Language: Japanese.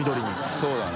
そうだね。